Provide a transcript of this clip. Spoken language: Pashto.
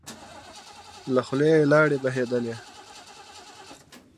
له خولی يې لاړې بهېدلې.